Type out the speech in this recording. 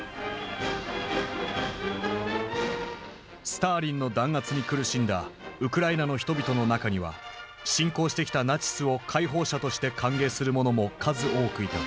スターリンの弾圧に苦しんだウクライナの人々の中には侵攻してきたナチスを解放者として歓迎する者も数多くいた。